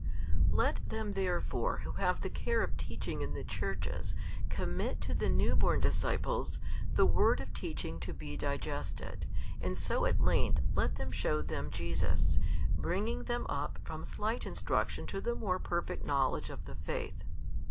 Let them therefore who have the care of teaching in the Churches commit to the new born disciples, the word of teaching to be digested, and so at length let them shew them Jesus, bringing them up from slight instruction to the more perfect knowledge of the faith.